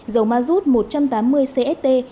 dầu ma rút một trăm tám mươi cst ba năm s